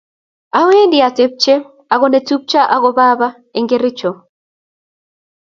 awendi abatepche ago netupcho ago baba eng Kericho